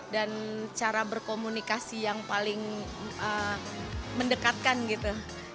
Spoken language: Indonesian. dan cara berkomunikasi yang paling mendekatkan gitu